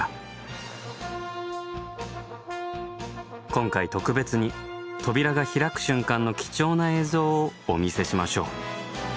今回特別に扉が開く瞬間の貴重な映像をお見せしましょう！